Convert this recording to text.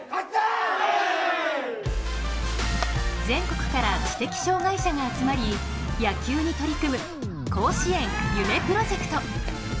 全国から知的障がい者が集まり野球に取り組む甲子園夢プロジェクト。